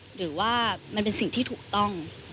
หรือว่ามันเป็นสิ่งที่ถูกต้อง